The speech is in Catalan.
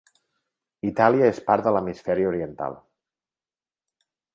Itàlia és part de l'hemisferi oriental.